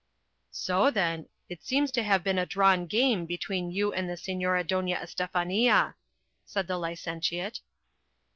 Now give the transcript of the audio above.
"So, then, it seems to have been a drawn game between you and the Señora Doña Estefania," said the licentiate.